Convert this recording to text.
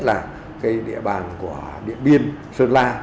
nhất là địa bàn của điện biên sơn la